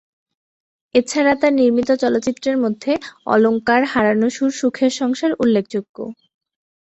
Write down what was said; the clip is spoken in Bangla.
এছাড়া তার নির্মিত চলচ্চিত্রের মধ্যে অলংকার, হারানো সুর, সুখের সংসার উল্লেখযোগ্য।